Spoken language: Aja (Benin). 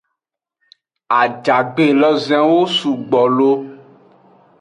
Ajagbe lozenwo sugbo lo.